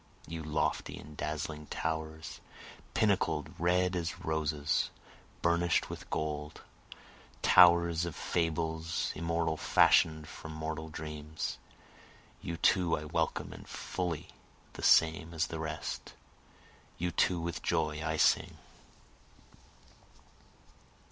You lofty and dazzling towers, pinnacled, red as roses, burnish'd with gold! Towers of fables immortal fashion'd from mortal dreams! You too I welcome and fully the same as the rest! You too with joy I sing.